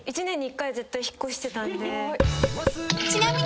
１年に１回は絶対引っ越してたんで。